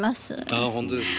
あ本当ですか。